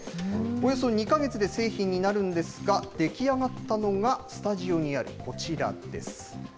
およそ２か月で製品になるんですが、出来上がったのが、スタジオにあるこちらです。